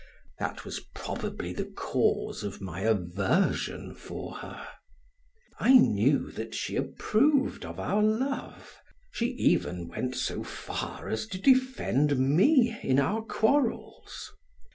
That was probably the cause of my aversion for her. I knew that she approved of our love; she even went so far as to defend me in our quarrels.